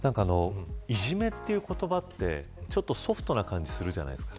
いじめという言葉ってちょっとソフトな感じがするじゃないですか。